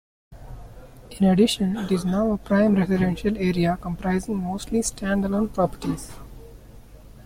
In addition, it is now a prime residential area comprising mostly stand-alone properties.